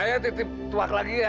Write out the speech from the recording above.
ayo titip tuak lagi ya